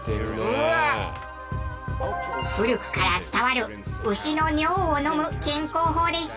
古くから伝わる牛の尿を飲む健康法です。